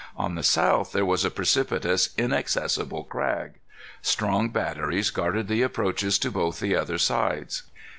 On the south there was a precipitous inaccessible crag. Strong batteries guarded the approaches to both the other sides.